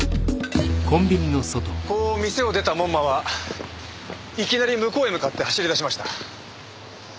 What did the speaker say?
こう店を出た門馬はいきなり向こうへ向かって走り出しました。